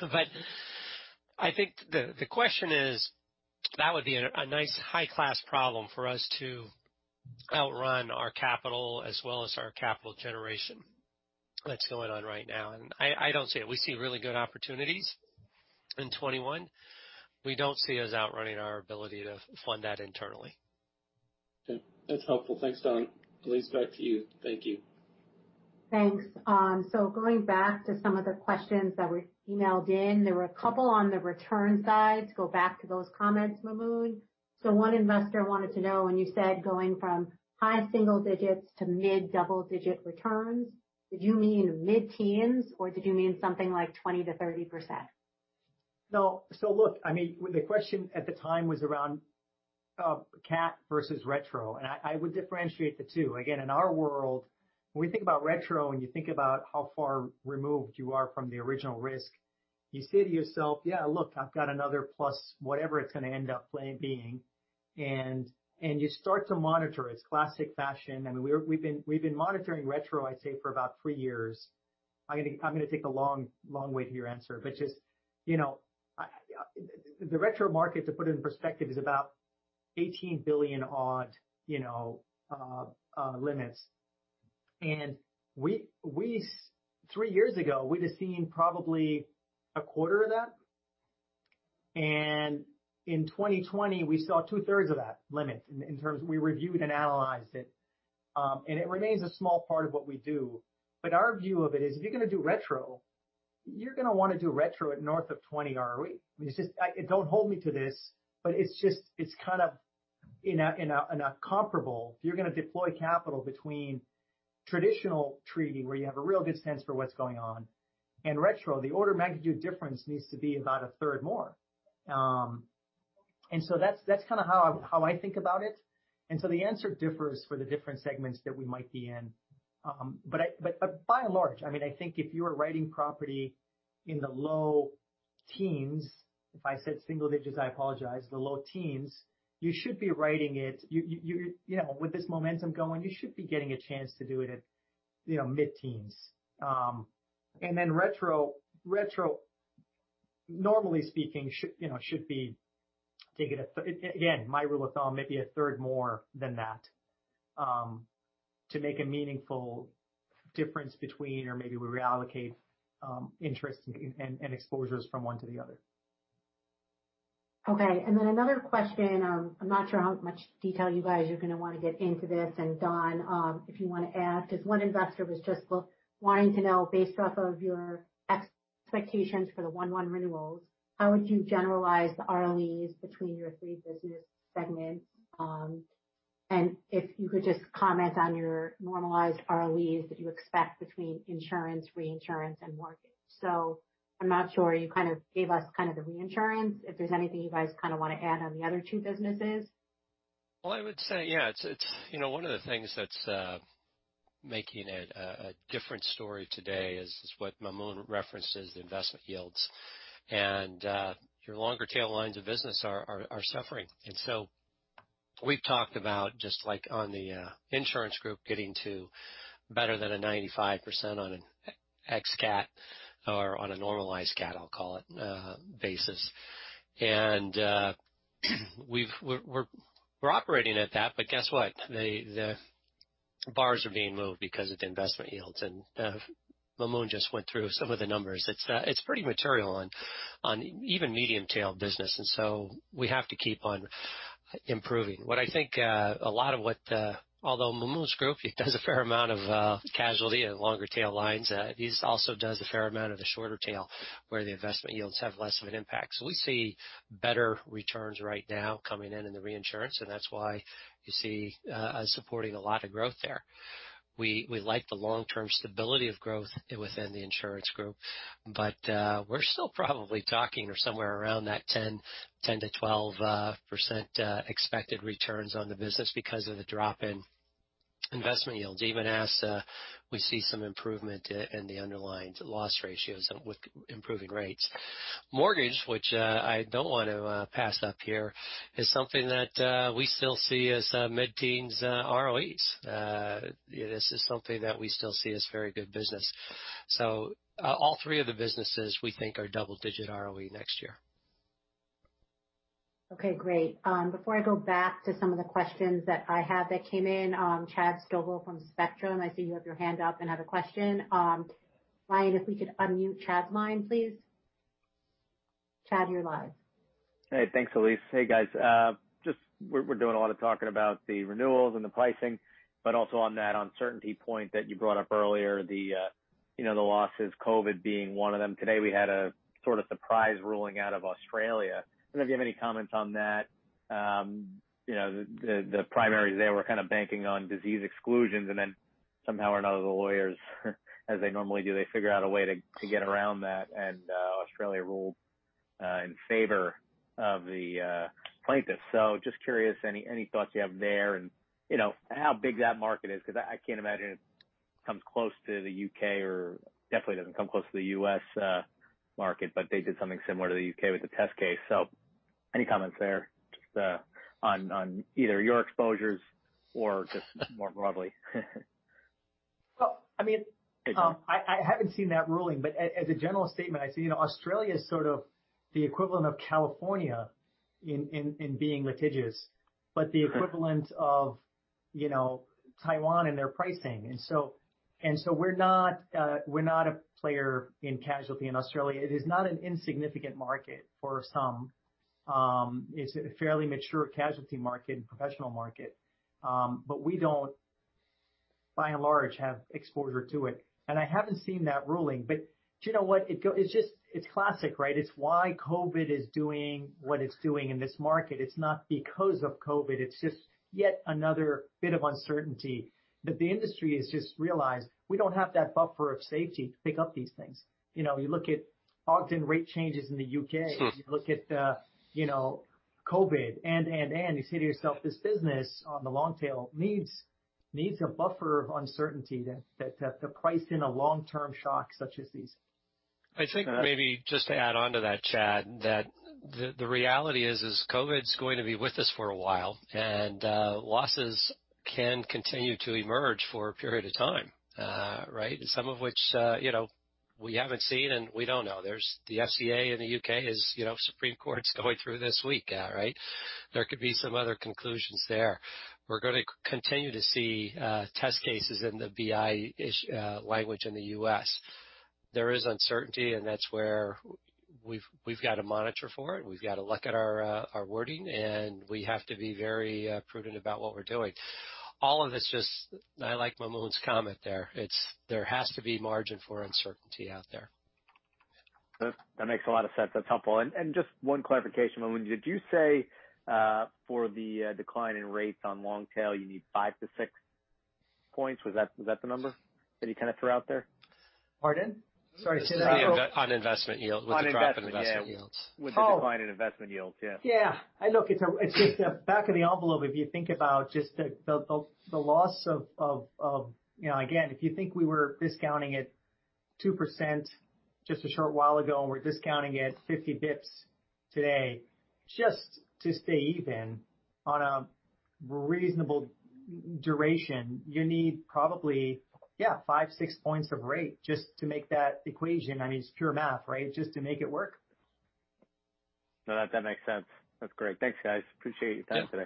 But I think the question is, that would be a nice high-class problem for us to outrun our capital as well as our capital generation that's going on right now. And I don't see it. We see really good opportunities in 2021. We don't see us outrunning our ability to fund that internally. That's helpful. Thanks, Don. Elyse, back to you. Thank you. Thanks. So going back to some of the questions that were emailed in, there were a couple on the return side. To go back to those comments, Maamoun, so one investor wanted to know, when you said going from high single digits to mid double digit returns, did you mean mid teens, or did you mean something like 20% to 30%? No. So look, I mean, the question at the time was around cat versus retro. And I would differentiate the two. Again, in our world, when we think about retro and you think about how far removed you are from the original risk, you say to yourself, "Yeah, look, I've got another plus whatever it's going to end up being." And you start to monitor. It's classic fashion. I mean, we've been monitoring retro, I'd say, for about three years. I'm going to take a long way to your answer, but just the retro market, to put it in perspective, is about $18 billion odd limits. And three years ago, we'd have seen probably a quarter of that. And in 2020, we saw two-thirds of that limit in terms we reviewed and analyzed it. And it remains a small part of what we do. But our view of it is, if you're going to do retro, you're going to want to do retro at north of 20 RE. Don't hold me to this, but it's just kind of incomparable. If you're going to deploy capital between traditional treaty, where you have a real good sense for what's going on, and retro, the order of magnitude difference needs to be about a third more. And so that's kind of how I think about it. And so the answer differs for the different segments that we might be in. But by and large, I mean, I think if you were writing property in the low teens, if I said single digits, I apologize, the low teens, you should be writing it with this momentum going, you should be getting a chance to do it at mid teens. Retro, normally speaking, should be taking a, again, my rule of thumb, maybe a third more than that to make a meaningful difference between, or maybe we reallocate interest and exposures from one to the other. Okay. And then another question. I'm not sure how much detail you guys are going to want to get into this. And Don, if you want to add, because one investor was just wanting to know, based off of your expectations for the 01/01 renewals, how would you generalize the ROEs between your three business segments? And if you could just comment on your normalized ROEs that you expect between insurance, reinsurance, and mortgage. So I'm not sure. You kind of gave us kind of the reinsurance. If there's anything you guys kind of want to add on the other two businesses. I would say, yeah, one of the things that's making it a different story today is what Maamoun references, the investment yields. Your longer tail lines of business are suffering. We've talked about just like on the insurance group, getting to better than a 95% on an excl. CAT or on a normalized cat, I'll call it, basis. We're operating at that. Guess what? The bars are being moved because of the investment yields. Maamoun just went through some of the numbers. It's pretty material on even medium-tail business. We have to keep on improving. What I think a lot of what, although Maamoun's group does a fair amount of casualty and longer tail lines, these also do a fair amount of the shorter tail where the investment yields have less of an impact. So we see better returns right now coming in in the reinsurance. And that's why you see us supporting a lot of growth there. We like the long-term stability of growth within the insurance group. But we're still probably talking or somewhere around that 10% to 12% expected returns on the business because of the drop in investment yields. Even as we see some improvement in the underlying loss ratios with improving rates. Mortgage, which I don't want to pass up here, is something that we still see as mid-teens ROEs. This is something that we still see as very good business. So all three of the businesses we think are double-digit ROE next year. Okay. Great. Before I go back to some of the questions that I have that came in, Chad Stogel from Spectrum, I see you have your hand up and have a question. Ryan, if we could unmute Chad's line, please. Chad, you're live. Hey. Thanks, Elyse. Hey, guys. We're doing a lot of talking about the renewals and the pricing, but also on that uncertainty point that you brought up earlier, the losses, COVID being one of them. Today, we had a sort of surprise ruling out of Australia. I don't know if you have any comments on that. The primaries there were kind of banking on disease exclusions, and then somehow or another, the lawyers, as they normally do, they figure out a way to get around that, and Australia ruled in favor of the plaintiff. So just curious, any thoughts you have there and how big that market is? Because I can't imagine it comes close to the U.K. or definitely doesn't come close to the U.S. market, but they did something similar to the U.K. with the test case. So any comments there on either your exposures or just more broadly? I mean, I haven't seen that ruling. But as a general statement, I see Australia is sort of the equivalent of California in being litigious, but the equivalent of Taiwan in their pricing. And so we're not a player in casualty in Australia. It is not an insignificant market for some. It's a fairly mature casualty market and professional market. But we don't, by and large, have exposure to it. And I haven't seen that ruling. But do you know what? It's classic, right? It's why COVID is doing what it's doing in this market. It's not because of COVID. It's just yet another bit of uncertainty that the industry has just realized we don't have that buffer of safety to pick up these things. You look at Ogden Rate changes in the U.K. You look at COVID and you say to yourself, this business on the long tail needs a buffer of uncertainty to price in a long-term shock such as these. I think maybe just to add on to that, Chad, that the reality is COVID's going to be with us for a while. And losses can continue to emerge for a period of time, right? Some of which we haven't seen, and we don't know. The FCA in the U.K., Supreme Court's going through this week, right? There could be some other conclusions there. We're going to continue to see test cases in the BI language in the U.S. There is uncertainty, and that's where we've got to monitor for it. We've got to look at our wording, and we have to be very prudent about what we're doing. All of this just, I like Maamoun's comment there. There has to be margin for uncertainty out there. That makes a lot of sense. That's helpful. And just one clarification, Maamoun, did you say for the decline in rates on long tail, you need 5 to 6 points? Was that the number that you kind of threw out there? Pardon? Sorry. On investment yield, with the drop in investment yields. With the decline in investment yields, yeah. Yeah. Look, it's just the back of the envelope, if you think about just the loss of, again, if you think we were discounting it 2% just a short while ago and we're discounting it 50 basis points today, just to stay even on a reasonable duration, you need probably, yeah, five, six points of rate just to make that equation. I mean, it's pure math, right? Just to make it work. No, that makes sense. That's great. Thanks, guys. Appreciate your time today.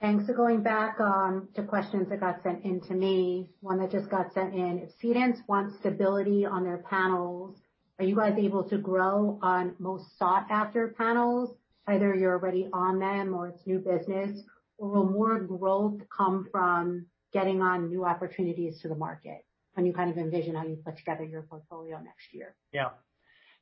Thanks. So going back to questions that got sent in to me, one that just got sent in, if cedents want stability on their panels, are you guys able to grow on most sought-after panels? Either you're already on them or it's new business, or will more growth come from getting on new opportunities to the market? Can you kind of envision how you put together your portfolio next year? Yeah.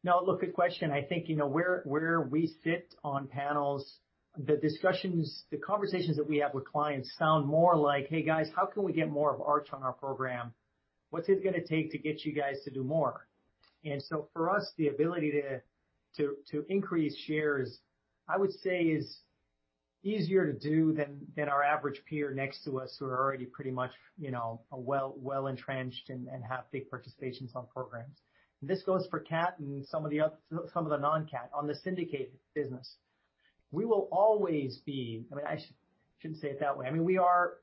No, look, good question. I think where we sit on panels, the discussions, the conversations that we have with clients sound more like, "Hey, guys, how can we get more of Arch on our program? What's it going to take to get you guys to do more?" And so for us, the ability to increase shares, I would say, is easier to do than our average peer next to us who are already pretty much well entrenched and have big participations on programs. And this goes for CAT and some of the non-CAT on the syndicated business. We will always be. I mean, I shouldn't say it that way. I mean, we are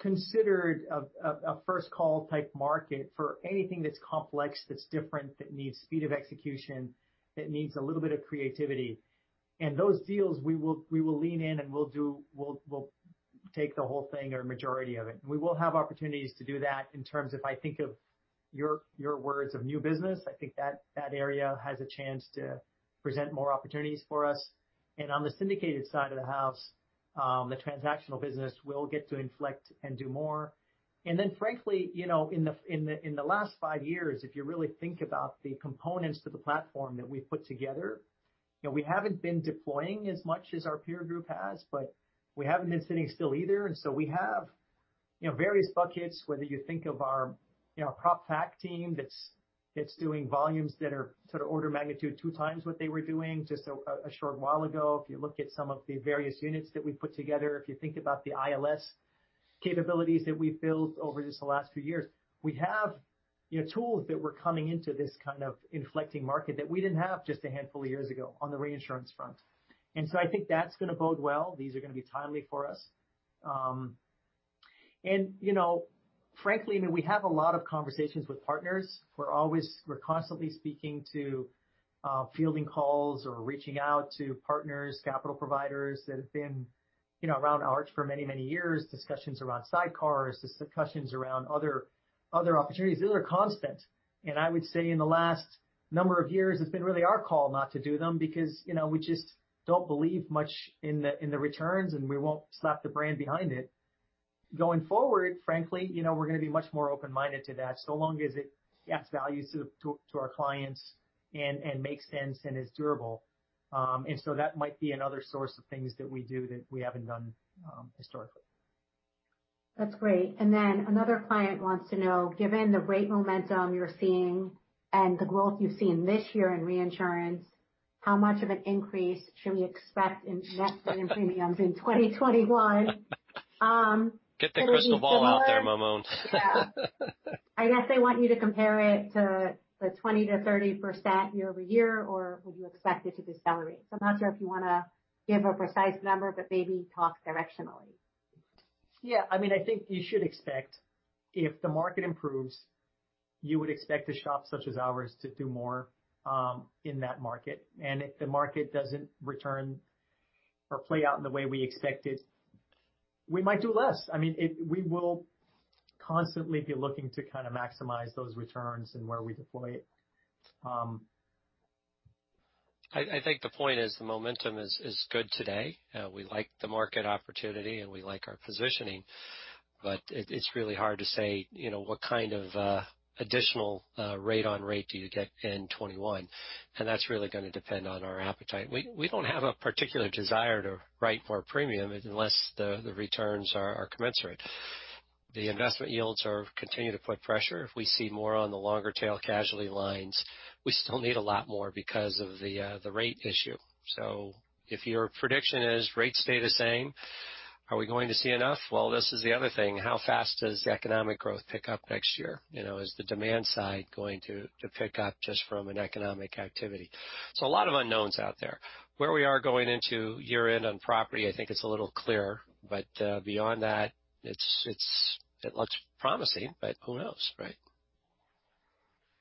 considered a first call type market for anything that's complex, that's different, that needs speed of execution, that needs a little bit of creativity. Those deals, we will lean in and we'll take the whole thing or majority of it. We will have opportunities to do that in terms of, I think of your words, of new business. I think that area has a chance to present more opportunities for us. On the syndicated side of the house, the transactional business will get to inflect and do more. Then, frankly, in the last five years, if you really think about the components to the platform that we've put together, we haven't been deploying as much as our peer group has, but we haven't been sitting still either. So we have various buckets, whether you think of our prop fac team that's doing volumes that are sort of order of magnitude two times what they were doing just a short while ago. If you look at some of the various units that we've put together, if you think about the ILS capabilities that we've built over just the last few years, we have tools that were coming into this kind of inflecting market that we didn't have just a handful of years ago on the reinsurance front. And so I think that's going to bode well. These are going to be timely for us. And frankly, I mean, we have a lot of conversations with partners. We're constantly speaking to, fielding calls or reaching out to partners, capital providers that have been around Arch for many, many years, discussions around sidecars, discussions around other opportunities. Those are constant. I would say in the last number of years, it's been really our call not to do them because we just don't believe much in the returns, and we won't slap the brand behind it. Going forward, frankly, we're going to be much more open-minded to that so long as it adds value to our clients and makes sense and is durable. So that might be another source of things that we do that we haven't done historically. That's great, and then another client wants to know, given the rate momentum you're seeing and the growth you've seen this year in reinsurance, how much of an increase should we expect in net premiums in 2021? Get the crystal ball out there, Maamoun. Yeah. I guess they want you to compare it to the 20% to 30% year over year, or would you expect it to decelerate, so I'm not sure if you want to give a precise number, but maybe talk directionally. Yeah. I mean, I think you should expect if the market improves, you would expect the shops such as ours to do more in that market, and if the market doesn't return or play out in the way we expect it, we might do less. I mean, we will constantly be looking to kind of maximize those returns and where we deploy it. I think the point is the momentum is good today. We like the market opportunity, and we like our positioning. But it's really hard to say what kind of additional rate on rate do you get in 2021. And that's really going to depend on our appetite. We don't have a particular desire to write more premium unless the returns are commensurate. The investment yields continue to put pressure. If we see more on the longer tail casualty lines, we still need a lot more because of the rate issue. So if your prediction is rates stay the same, are we going to see enough? Well, this is the other thing. How fast does the economic growth pick up next year? Is the demand side going to pick up just from an economic activity? So a lot of unknowns out there. Where we are going into year-end on property, I think it's a little clearer. But beyond that, it looks promising, but who knows, right?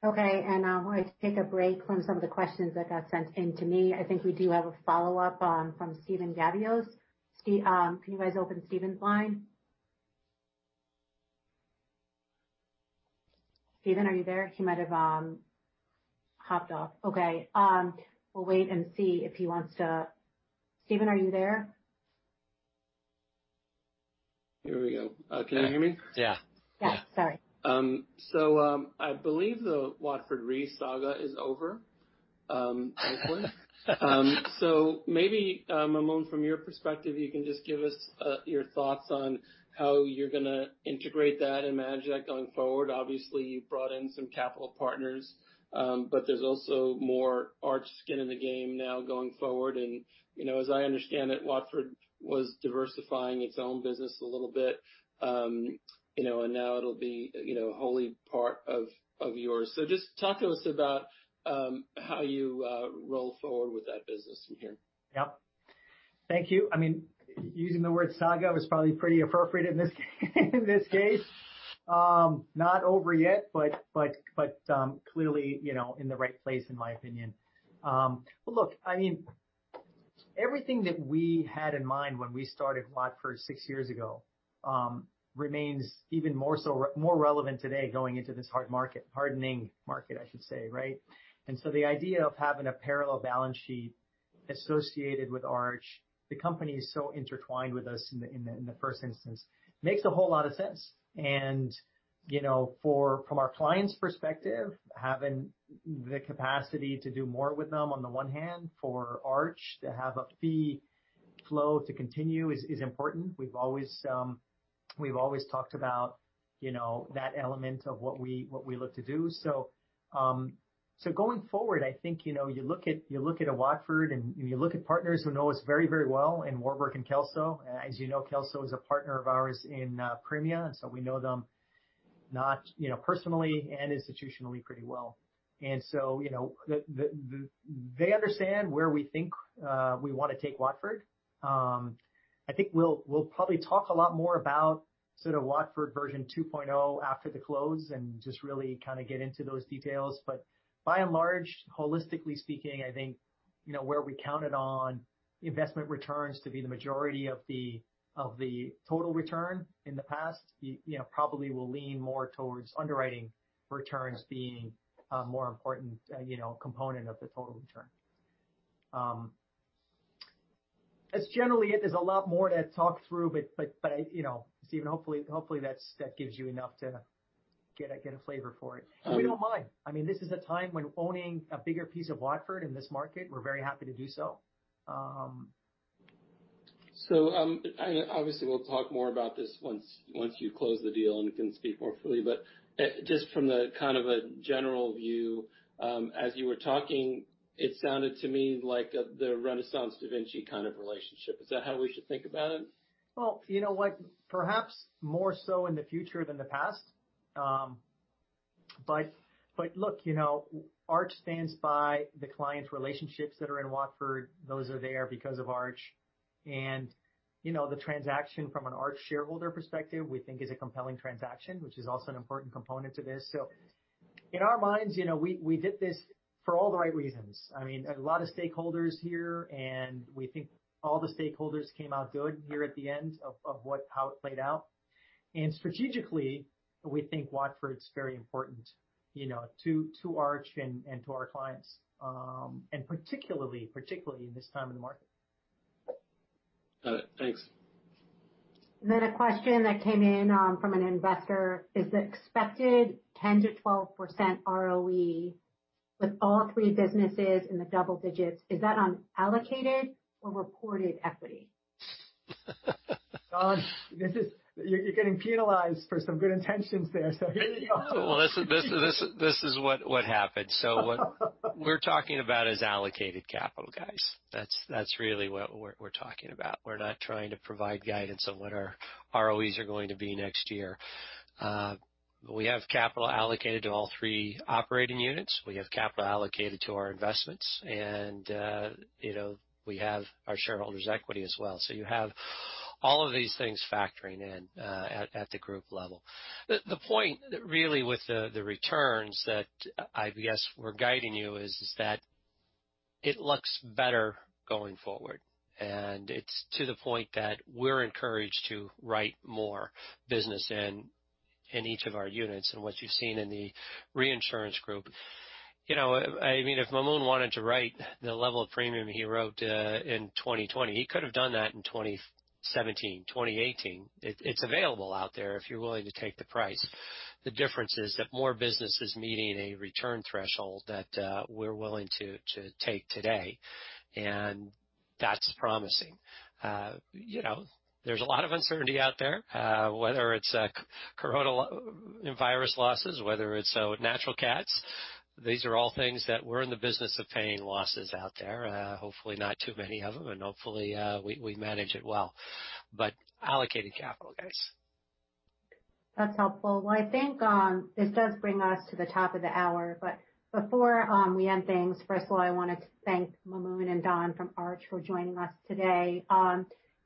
Okay. And I wanted to take a break from some of the questions that got sent in to me. I think we do have a follow-up from Steven Gavios. Can you guys open Steven's line? Steven, are you there? He might have hopped off. Okay. We'll wait and see if he wants to. Steven, are you there? Here we go. Can you hear me? Yeah. Yeah. Sorry. So I believe the Watford Re saga is over, hopefully. So maybe, Maamoun, from your perspective, you can just give us your thoughts on how you're going to integrate that and manage that going forward. Obviously, you brought in some capital partners, but there's also more Arch skin in the game now going forward. And as I understand it, Watford was diversifying its own business a little bit, and now it'll be wholly part of yours. So just talk to us about how you roll forward with that business from here. Yep. Thank you. I mean, using the word saga was probably pretty appropriate in this case. Not over yet, but clearly in the right place, in my opinion. Well, look, I mean, everything that we had in mind when we started Watford six years ago remains even more relevant today going into this hard market, hardening market, I should say, right? And so the idea of having a parallel balance sheet associated with Arch, the company is so intertwined with us in the first instance, makes a whole lot of sense. And from our client's perspective, having the capacity to do more with them on the one hand, for Arch to have a fee flow to continue is important. We've always talked about that element of what we look to do. So going forward, I think you look at Watford, and you look at partners who know us very, very well, and Warburg and Kelso. As you know, Kelso is a partner of ours in Premia. And so we know them personally and institutionally pretty well. And so they understand where we think we want to take Watford. I think we'll probably talk a lot more about sort of Watford version 2.0 after the close and just really kind of get into those details. But by and large, holistically speaking, I think where we counted on investment returns to be the majority of the total return in the past, probably we'll lean more towards underwriting returns being a more important component of the total return. That's generally it. There's a lot more to talk through, but Steven, hopefully that gives you enough to get a flavor for it. We don't mind. I mean, this is a time when owning a bigger piece of Watford in this market, we're very happy to do so. So obviously, we'll talk more about this once you close the deal and can speak more freely. But just from kind of a general view, as you were talking, it sounded to me like the RenaissanceRe, DaVinciRe kind of relationship. Is that how we should think about it? You know what? Perhaps more so in the future than the past. Look, Arch stands by the client's relationships that are in Watford. Those are there because of Arch. The transaction from an Arch shareholder perspective, we think is a compelling transaction, which is also an important component to this. In our minds, we did this for all the right reasons. I mean, a lot of stakeholders here, and we think all the stakeholders came out good here at the end of how it played out. Strategically, we think Watford's very important to Arch and to our clients, and particularly in this time of the market. Got it. Thanks. Then a question that came in from an investor. Is the expected 10% to 12% ROE with all three businesses in the double digits on allocated or reported equity? You're getting penalized for some good intentions there, so here you go. This is what happened. What we're talking about is allocated capital, guys. That's really what we're talking about. We're not trying to provide guidance on what our ROEs are going to be next year. We have capital allocated to all three operating units. We have capital allocated to our investments. And we have our shareholders' equity as well. So you have all of these things factoring in at the group level. The point really with the returns that I guess we're guiding you is that it looks better going forward. It's to the point that we're encouraged to write more business in each of our units. What you've seen in the reinsurance group, I mean, if Maamoun wanted to write the level of premium he wrote in 2020, he could have done that in 2017, 2018. It's available out there if you're willing to take the price. The difference is that more business is meeting a return threshold that we're willing to take today, and that's promising. There's a lot of uncertainty out there, whether it's coronavirus losses, whether it's natural cats. These are all things that we're in the business of paying losses out there, hopefully not too many of them, and hopefully, we manage it well, but allocated capital, guys. That's helpful. Well, I think this does bring us to the top of the hour. But before we end things, first of all, I wanted to thank Maamoun and Don from Arch for joining us today. If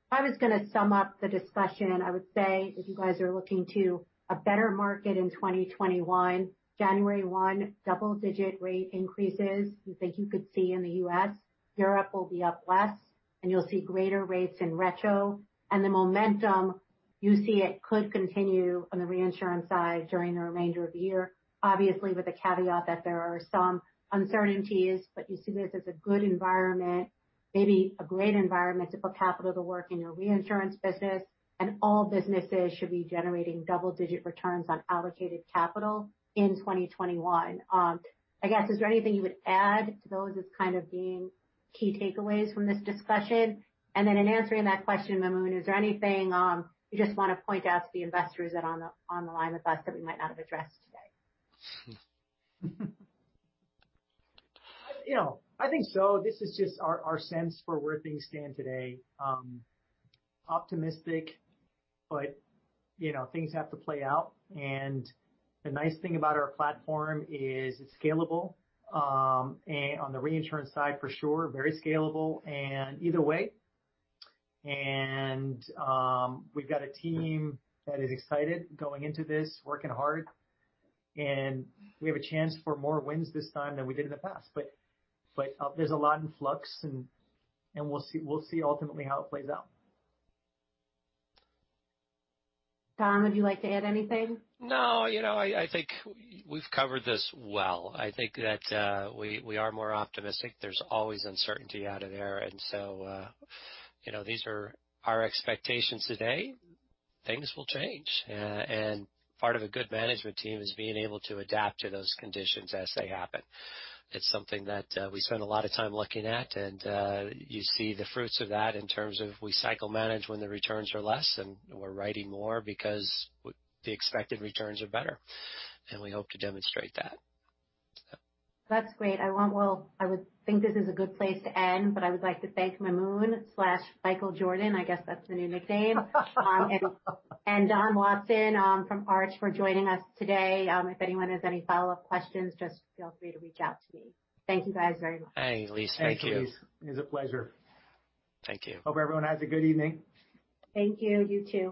I was going to sum up the discussion, I would say if you guys are looking to a better market in 2021, January 1, double-digit rate increases you think you could see in the U.S., Europe will be up less, and you'll see greater rates in retro. And the momentum, you see it could continue on the reinsurance side during the remainder of the year, obviously with the caveat that there are some uncertainties. But you see this as a good environment, maybe a great environment to put capital to work in your reinsurance business. And all businesses should be generating double-digit returns on allocated capital in 2021. I guess, is there anything you would add to those as kind of being key takeaways from this discussion? And then in answering that question, Maamoun, is there anything you just want to point out to the investors that are on the line with us that we might not have addressed today? I think so. This is just our sense for where things stand today. Optimistic, but things have to play out. And the nice thing about our platform is it's scalable on the reinsurance side, for sure, very scalable and either way. And we've got a team that is excited going into this, working hard. And we have a chance for more wins this time than we did in the past. But there's a lot in flux, and we'll see ultimately how it plays out. Don, would you like to add anything? No, I think we've covered this well. I think that we are more optimistic. There's always uncertainty out of there. And so these are our expectations today. Things will change. And part of a good management team is being able to adapt to those conditions as they happen. It's something that we spend a lot of time looking at. And you see the fruits of that in terms of we cycle manage when the returns are less, and we're writing more because the expected returns are better. And we hope to demonstrate that. That's great. I would think this is a good place to end, but I would like to thank Maamoun slash Michael Jordan. I guess that's the new nickname. And Don Watson from Arch for joining us today. If anyone has any follow-up questions, just feel free to reach out to me. Thank you guys very much. Hey, Elyse. Thank you. Thanks, it's a pleasure. Thank you. Hope everyone has a good evening. Thank you. You too.